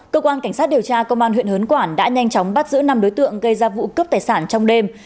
cơ quan cảnh sát điều tra công an huyện hớn quản đã nhanh chóng bắt giữ năm đối tượng gây ra vụ cướp tài sản trong đêm